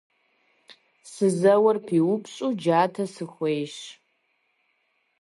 Сызэуэр пиупщӏу джатэ сыхуейщ.